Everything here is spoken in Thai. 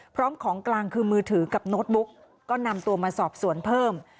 พร้อมของกลางคือมือถือกับโน้ตบุ๊กก็นำตัวมาสอบสวนเพิ่ม